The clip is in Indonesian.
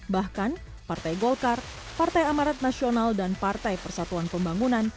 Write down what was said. bahkan partai golkar partai amarat nasional dan partai persatuan pembangunan